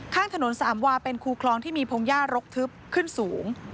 ข้างถนนสามวาเป็นคูคลองที่มีพงหญ้ารกทึบขึ้นสูง